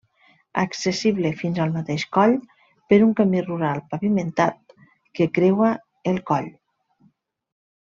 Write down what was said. Accessible fins al mateix coll, per un camí rural pavimentat que creua el coll.